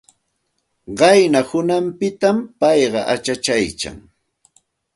Qayna hunanpitam payqa achachaykan.